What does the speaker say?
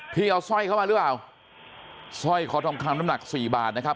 พี่เอาสร้อยเข้ามาหรือเปล่าสร้อยคอทองคำน้ำหนักสี่บาทนะครับ